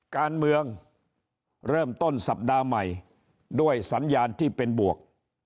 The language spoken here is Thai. การเมืองเริ่มต้นสัปดาห์ใหม่ด้วยสัญญาณที่เป็นบวก